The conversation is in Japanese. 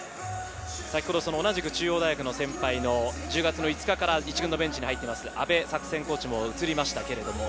同じく中央大学の先輩の１０月５日から１軍のベンチに入っています、阿部作戦コーチも移りました。